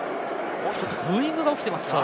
ブーイングが起きていますか？